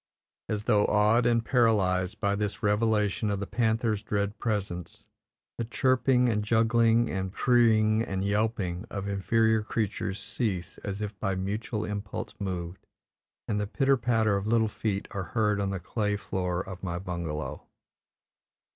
As though awed and paralyzed by this revelation of the panther's dread presence, the chirping and juggling and p r r r ring and yelping of inferior creatures cease as if by mutual impulse moved, and the pitter patter of little feet are heard on the clay floor of my bungalow.